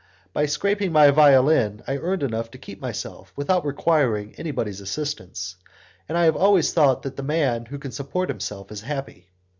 By scraping my violin I earned enough to keep myself without requiring anybody's assistance, and I have always thought that the man who can support himself is happy.